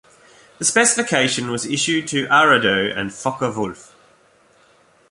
The specification was issued to Arado and Focke-Wulf.